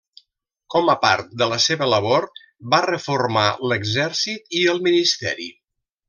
Com a part de la seva labor, va reformar l'exèrcit i el ministeri.